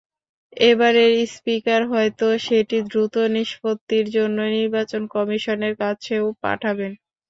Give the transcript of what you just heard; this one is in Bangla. এবারে স্পিকার হয়তো সেটি দ্রুত নিষ্পত্তির জন্য নির্বাচন কমিশনের কাছেও পাঠাবেন।